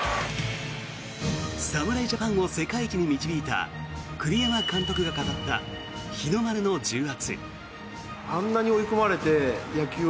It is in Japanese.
侍ジャパンを世界一に導いた栗山監督が語った日の丸の重圧。